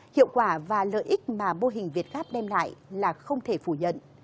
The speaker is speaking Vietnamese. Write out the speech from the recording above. hiệu quả và lợi ích mà bô hình việt gap đem lại là không thể phủ nhận